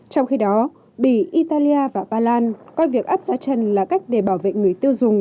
trong khi đó bỉ italia và ba lan coi việc áp giá trần là cách để bảo vệ người tiêu dùng